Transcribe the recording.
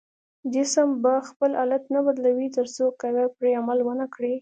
جسم به خپل حالت نه بدلوي تر څو قوه پرې عمل ونه کړي.